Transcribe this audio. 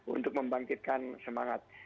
untuk membangkitkan semangat